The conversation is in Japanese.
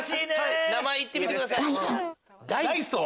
名前言ってみてください。